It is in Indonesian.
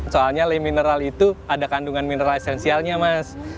soalnya le mineral itu ada kandungan mineral esensialnya mas